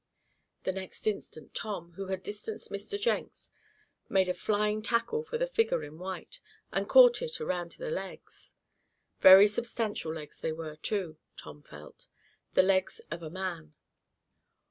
The next instant Tom, who had distanced Mr. Jenks, made a flying tackle for the figure in white, and caught it around the legs. Very substantial legs they were, too, Tom felt the legs of a man.